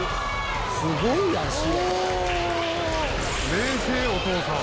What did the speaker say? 冷静お父さん。